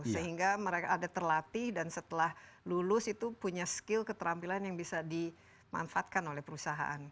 sehingga mereka ada terlatih dan setelah lulus itu punya skill keterampilan yang bisa dimanfaatkan oleh perusahaan